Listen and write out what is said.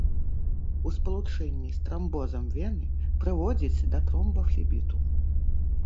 У спалучэнні з трамбозам вены прыводзіць да тромбафлебіту.